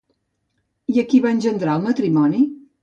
I a qui va engendrar el matrimoni?